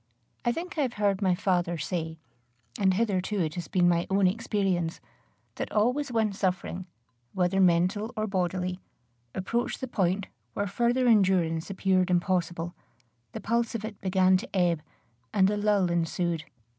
I think I have heard my father say, and hitherto it has been my own experience, that always when suffering, whether mental or bodily, approached the point where further endurance appeared impossible, the pulse of it began to ebb, and a lull ensued.